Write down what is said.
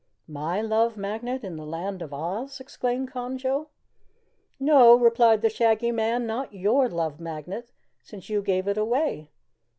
"My Love Magnet in the Land of Oz!" exclaimed Conjo. "No," replied the Shaggy Man, "not your Love Magnet, since you gave it away.